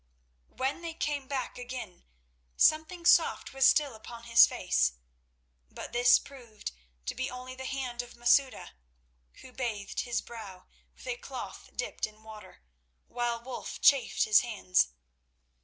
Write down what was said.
When they came back again something soft was still upon his face; but this proved to be only the hand of Masouda, who bathed his brow with a cloth dipped in water, while Wulf chafed his hands.